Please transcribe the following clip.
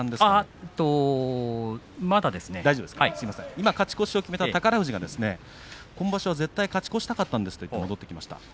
今勝ち越しを決めた宝富士が今場所は絶対勝ち越したかったんですと言って戻ってきました。